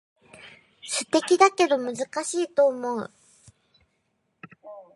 素敵だけど難しいと思う